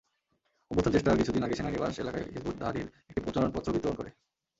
অভ্যুত্থানচেষ্টার কিছুদিন আগে সেনানিবাস এলাকায় হিযবুত তাহ্রীর একটি প্রচারপত্র বিতরণ করে।